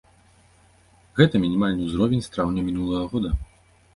Гэта мінімальны ўзровень з траўня мінулага года.